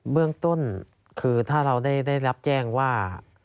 เบื้องต้นคือถ้าเราได้รับแจ้งว่า